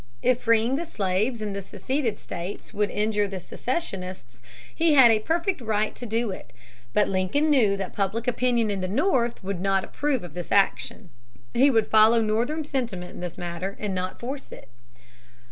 If freeing the slaves in the seceded states would injure the secessionists, he had a perfect right to do it. But Lincoln knew that public opinion in the North would not approve this action. He would follow Northern sentiment in this matter, and not force it.